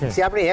siap nih ya